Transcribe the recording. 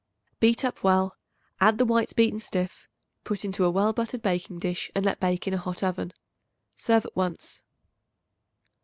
Beat up well; add the whites beaten stiff; put into a well buttered baking dish and let bake in a hot oven. Serve at once.